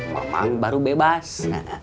mak mang baru bebas